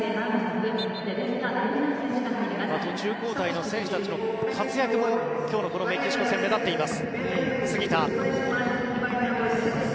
途中交代の選手たちの活躍も今日のメキシコ戦目立っています。